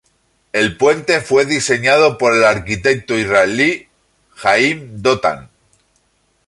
El puente fue diseñado por el arquitecto israelí Haim Dotan.